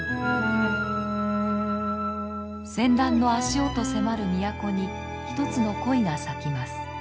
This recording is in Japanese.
戦乱の足音迫る都に一つの恋が咲きます。